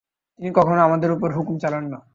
তিনি কখনও আমাদের উপর হুকুম চালান না।